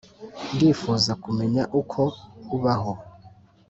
ndifuza kumenya uko ubaho